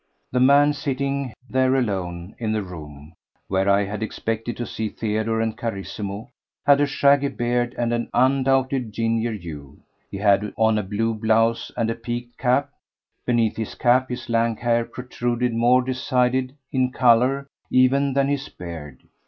The man sitting there alone in the room where I had expected to see Theodore and Carissimo had a shaggy beard of an undoubted ginger hue. He had on a blue blouse and a peaked cap; beneath his cap his lank hair protruded more decided in colour even than his beard.